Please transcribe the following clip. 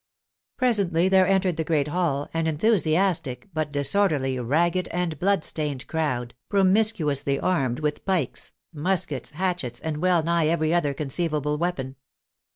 Presently there entered the great hall, an enthusiastic but disorderly, ragged, and bloodstained crowd, pro VICTOR RIQUETI MIRABEAU ^,^ THE BASTILLE i7 miscuously armed with pikes, muskets, hatchets, and well nigh every other conceivable weapon.